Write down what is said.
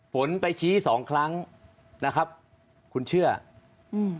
ผลไปชี้สองครั้งนะครับคุณเชื่ออืม